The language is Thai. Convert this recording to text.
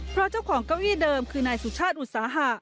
เพราะเจ้าของเก้าอี้เดิมคือนายสุชาติอุตสาหะ